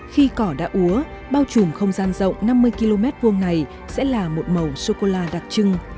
khi cỏ đã úa bao trùm không gian rộng năm mươi km hai này sẽ là một màu sô cô la đặc trưng